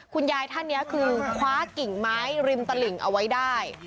คุณยายท่านนี้คือคว้ากิ่งไม้ริมตลิ่งเอาไว้ได้